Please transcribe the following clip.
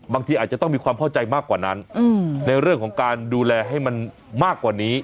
บางทีอาจจะต้องมีความเข้าใจมากกว่านั้นในเรื่องของการดูแลให้มันมากกว่านี้